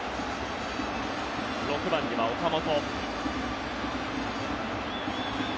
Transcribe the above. ６番には岡本。